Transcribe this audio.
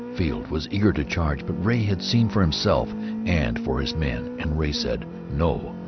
Field was eager to charge, but Ray had seen for himself and for his men, and Ray said, no.